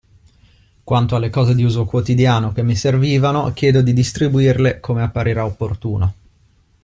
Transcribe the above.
Quanto alle cose di uso quotidiano che mi servivano, chiedo di distribuirle come apparirà opportuno.